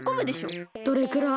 どれくらい？